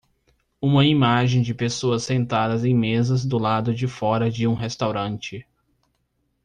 Uma imagem de pessoas sentadas em mesas do lado de fora de um restaurante.